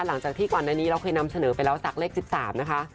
หลังจากที่ก่อนหน้านี้เราเคยนำเสนอไปแล้วจากเลข๑๓นะคะ